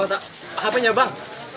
bau tak apa ya bang